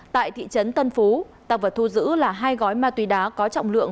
tại thị trấn tân phú tăng vật thu giữ là hai gói ma túy đá có trọng lượng